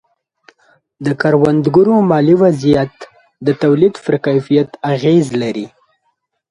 د کروندګرو مالي وضعیت د تولید پر کیفیت اغېز لري.